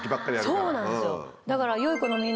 そうなんですよだから。